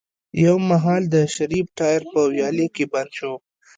يو مهال د شريف ټاير په ويالې کې بند شو.